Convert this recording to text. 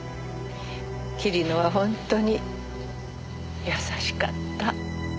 桐野は本当に優しかった。